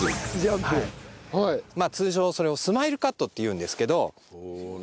まあ通常それをスマイルカットって言うんですけど。